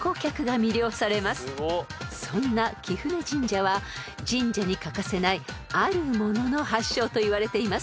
［そんな貴船神社は神社に欠かせないあるものの発祥といわれています］